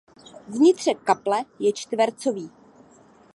Vnitřek kaple je čtvercový.